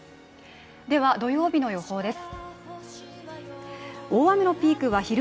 では土曜日の予報です。